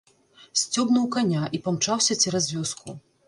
Сцёбнуў каня і памчаўся цераз вёску.